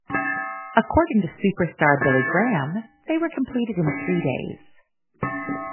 According to Superstar Billy Graham, they were completed in three days.